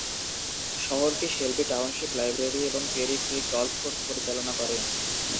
শহরটি Shelby township library এবং Cherry Creek golf course পরিচালনা করে।